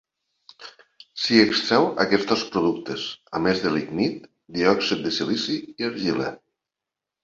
S'hi extreu aquests dos productes, a més de lignit, diòxid de silici i argila.